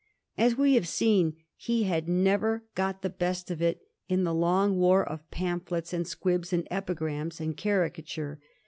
As we have seen, he had never got the best of it in the long war of pamphlets and squibs and epigrams and cari cature.